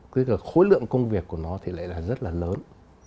tức là khối lượng công việc của nó thì lại là rất là lớn